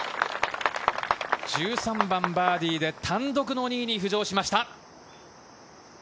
１３番、バーディーで単独の２位に浮上しました。